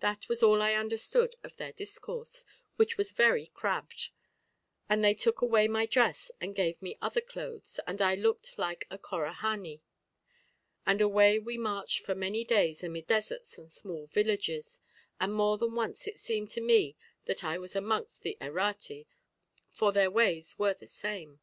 That was all I understood of their discourse, which was very crabbed; and they took away my dress and gave me other clothes, and I looked like a Corahani; and away we marched for many days amidst deserts and small villages, and more than once it seemed to me that I was amongst the Errate, for their ways were the same.